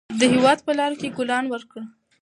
د هېواد په لارو کې ګلان وکرئ.